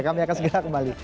kami akan segera kembali